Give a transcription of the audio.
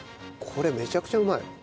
これめちゃくちゃうまい。